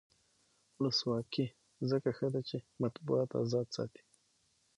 ولسواکي ځکه ښه ده چې مطبوعات ازاد ساتي.